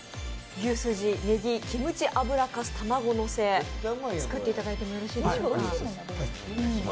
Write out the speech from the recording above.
牛すじネギキムチ油かす玉子のせ、作っていただいてもよろしいでしょうか。